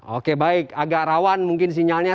oke baik agak rawan mungkin sinyalnya